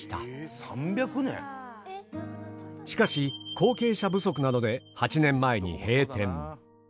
しかし後継者不足などで８年前に閉店。